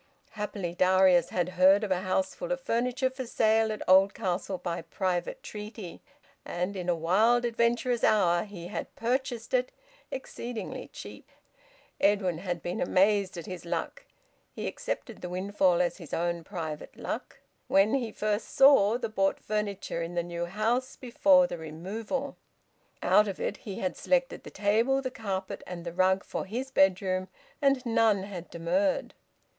Happily Darius had heard of a houseful of furniture for sale at Oldcastle by private treaty, and in a wild, adventurous hour he had purchased it, exceedingly cheap. Edwin had been amazed at his luck (he accepted the windfall as his own private luck) when he first saw the bought furniture in the new house, before the removal. Out of it he had selected the table, the carpet, and the rug for his bedroom, and none had demurred.